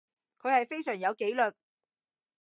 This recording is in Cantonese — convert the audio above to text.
佢係非常有紀律